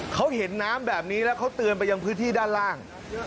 เขาเห็นน้ำแบบนี้แล้วเขาเตือนไปยังพื้นที่ด้านล่าง